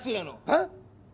えっ！？